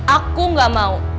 aku gak mau